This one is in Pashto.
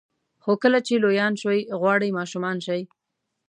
خو کله چې لویان شوئ غواړئ ماشومان شئ.